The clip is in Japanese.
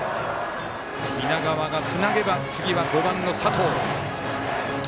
南川がつなげば次は５番の佐藤。